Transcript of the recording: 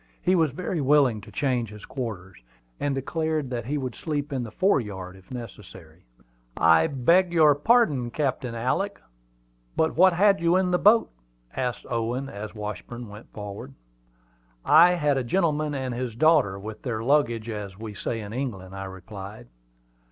He was very willing to change his quarters, and declared that he would sleep on the fore yard, if necessary. "I beg your pardon, Captain Alick, but what had you in the boat?" asked Owen, as Washburn went forward. "I had a gentleman and his daughter, with their luggage, as we say in England," I replied.